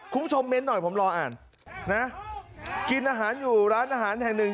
คุณผู้ชมเม้นหน่อยผมรออ่านนะกินอาหารอยู่ร้านอาหารแห่งหนึ่ง